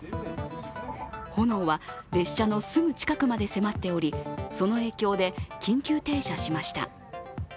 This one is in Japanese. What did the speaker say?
炎は列車のすぐ近くにまで迫っておりその影響で緊急停車しました。